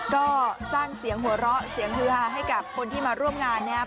ก็สร้างเสียงหัวเราะเสียงฮือฮาให้กับคนที่มาร่วมงานนะครับ